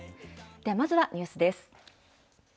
ではまずはニュースです。